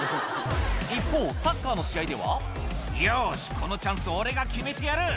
一方サッカーの試合では「よしこのチャンス俺が決めてやる」